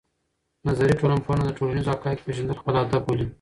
نظري ټولنپوهنه د ټولنیزو حقایقو پېژندل خپل هدف بولي.